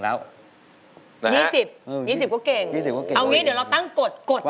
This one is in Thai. เอางี้เดี๋ยวเราตั้งกฎ